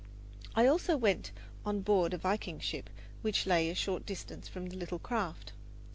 I also went on board a Viking ship which lay a short distance from the little craft.